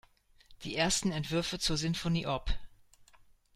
Die ersten Entwürfe zur Sinfonie op.